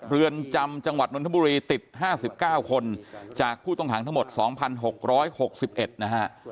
เรือนจำจังหวัดนทบุรีติด๕๙คนจากผู้ต้องขังทั้งหมด๒๖๖๑นะฮะ